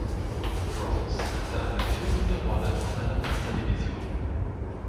Rose hatte eine führende Rolle in seiner Panzerdivision.